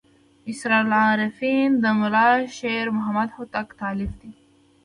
اسرار العارفین د ملا شیر محمد هوتک تألیف دی.